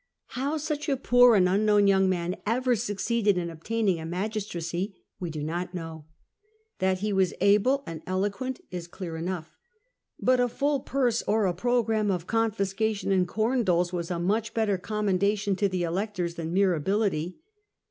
How such a poor and unknown young man ever succeeded in obtaining a magistracy w© do not know. TLat he was able and eloquent is clear enough, but a full purse, or a programme of confiscation and corn doles, was a much better commendation to the electors than mere ability.